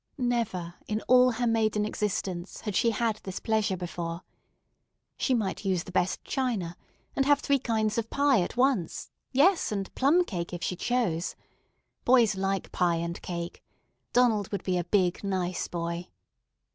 Never in all her maiden existence had she had this pleasure before. She might use the best china, and have three kinds of pie at once, yes, and plum cake if she chose. Boys like pie and cake. Donald would be a big, nice boy.